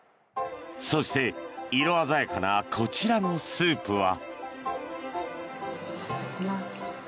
そして色鮮やかなこちらのスープは。